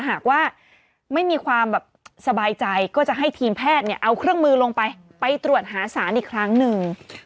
หากว่าไม่มีความแบบสบายใจก็จะให้ทีมแพทย์เนี่ยเอาเครื่องมือลงไปไปตรวจหาสารอีกครั้งหนึ่ง